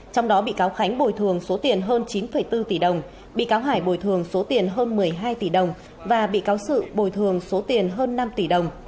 trong đó bị cáo khánh bồi thường số tiền hơn chín bốn tỷ đồng bị cáo hải bồi thường số tiền hơn một mươi hai tỷ đồng và bị cáo sự bồi thường số tiền hơn năm tỷ đồng